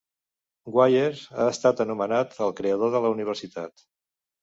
Gwyer ha estat anomenat el "creador de la universitat".